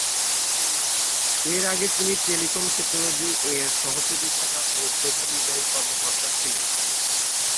এর আগে তিনি টেলিকম টেকনোলজি এর সহ-প্রতিষ্ঠাতা ও প্রধান নির্বাহী কর্মকর্তা ছিলেন।